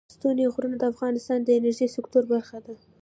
ستوني غرونه د افغانستان د انرژۍ سکتور برخه ده.